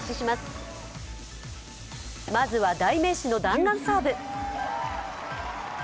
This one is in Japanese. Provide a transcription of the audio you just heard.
まずは、代名詞の弾丸サーブ。